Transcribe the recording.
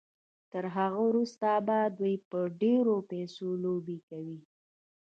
تر هغه وروسته به دوی په ډېرو پيسو لوبې کوي.